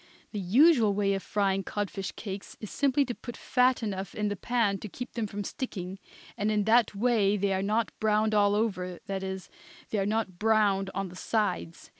The usual way of frying codfish cakes is simply to put fat enough in the pan to keep them from sticking, and in that way they are not browned all over, that is, they are not browned on the sides.